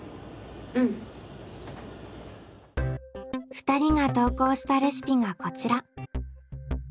２人が投稿したレシピがこちら。